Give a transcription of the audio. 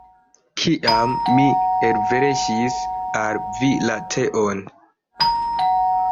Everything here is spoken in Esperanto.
Kiam mi elverŝis al vi la teon.